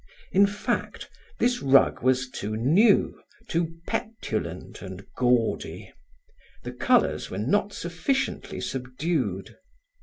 In fact, this rug was too new, too petulant and gaudy. The colors were not sufficiently subdued.